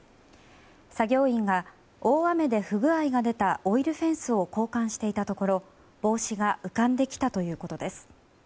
作業員が大雨で不具合が出たオイルフェンスを交換していたところ帽子が浮かんできたということです。